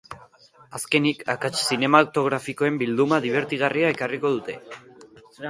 Azkenik, akats zinematografikoen bilduma dibertigarria ekarriko dute.